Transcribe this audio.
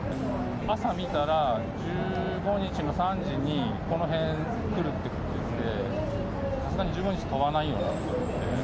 朝見たら、１５日の３時にこの辺来るってことで、さすがに１５日飛ばないと思うので。